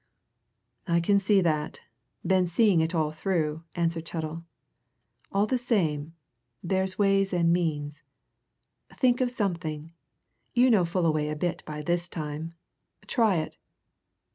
"I see that been seeing it all through," answered Chettle. "All the same, there's ways and means. Think of something you know Fullaway a bit by this time. Try it!"